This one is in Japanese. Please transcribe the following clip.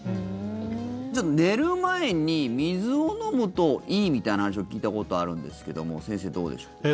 じゃあ、寝る前に水を飲むといいみたいな話を聞いたことあるんですけども先生、どうでしょう。